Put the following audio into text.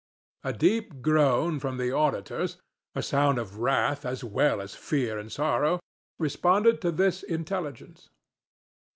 A deep groan from the auditors—a sound of wrath as well as fear and sorrow—responded to this intelligence.